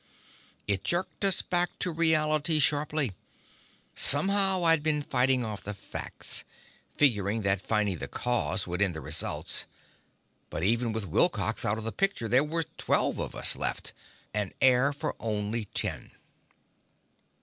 It jerked us back to reality sharply. Somehow, I'd been fighting off the facts, figuring that finding the cause would end the results. But even with Wilcox out of the picture, there were twelve of us left and air for only ten!